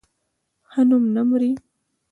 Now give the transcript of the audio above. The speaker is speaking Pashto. ښه نوم نه مري